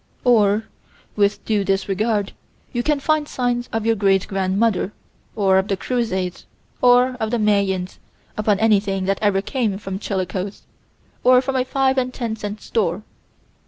Or, with due disregard, you can find signs of your great grand mother, or of the Crusades, or of the Mayans, upon anything that ever came from Chillicothe or from a five and ten cent store.